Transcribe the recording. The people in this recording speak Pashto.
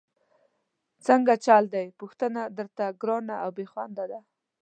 څنګه چل دی، پوښتنه درته ګرانه او بېخونده ده؟!